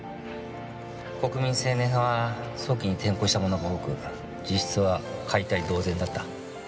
国民青年派は早期に転向した者が多く実質は解体同然だった。